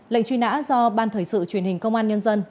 lệnh truy nã do ban thời sự truyền hình công an nhân dân